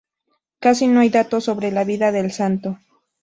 Casi no hay datos sobre la vida del santo.